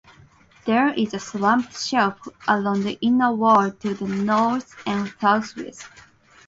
There is a slumped shelf along the inner wall to the north and southwest.